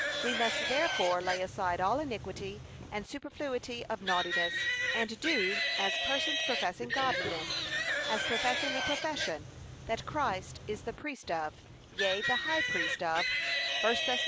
We must therefore lay aside all iniquity, and superfluity of naughtiness, and do as persons professing godliness, as professing a profession, that Christ is the priest of, yea the high priest of 1 Thess.